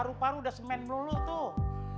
paru paru udah semen melulu tuh